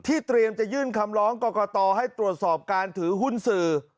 เตรียมจะยื่นคำร้องกรกตให้ตรวจสอบการถือหุ้นสื่อ